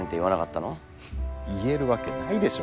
言えるわけないでしょ！